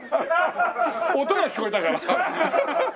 音が聞こえたから。